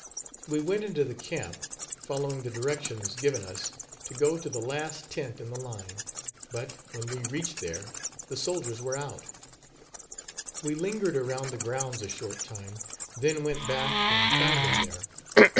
We went into the camp, following the directions given us, to go to the last tent in the line; but, when we reached there, the soldiers were out. We lingered around the grounds a short time, then went back, and found them there.